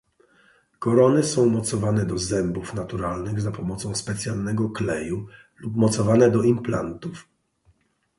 Korony są mocowane do zębów naturalnych za pomocą specjalnego kleju lub mocowane do implantów.